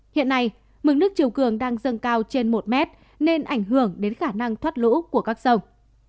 hiện nay mực nước chiều cường đang dâng cao trên một mét nên ảnh hưởng đến khả năng thoát lũ của các sông